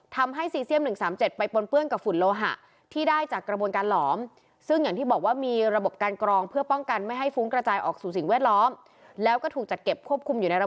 ทำให้ซีเซียม๑๓๗ไปปนเปื้อนกับฝุ่นโลหะ